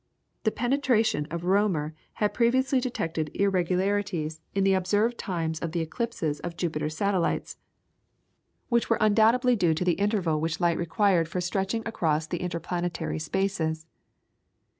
The penetration of Roemer had previously detected irregularities in the observed times of the eclipses of Jupiter's satellites, which were undoubtedly due to the interval which light required for stretching across the interplanetary spaces.